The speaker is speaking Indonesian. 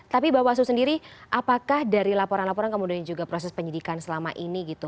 tapi bapak suluh sendiri apakah dari laporan laporan kemudian juga proses penyidikan selama ini